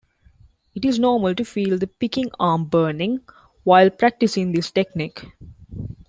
It is normal to feel the picking arm "burning" while practicing this technique.